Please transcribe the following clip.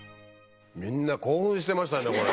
みんな興奮してましたねこれ。